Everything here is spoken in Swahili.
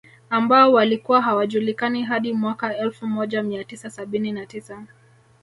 Ambao walikuwa hawajulikani hadi mwaka Elfu moja mia tisa sabini na tisa